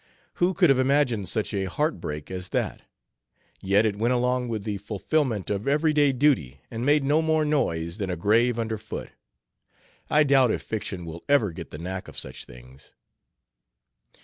Who could have imagined such a heart break as that? Yet it went along with the fulfillment of everyday duty and made no more noise than a grave under foot. I doubt if fiction will ever get the knack of such things."